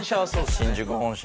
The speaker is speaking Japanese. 新宿本社。